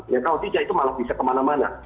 kalau tijak itu malah bisa kemana mana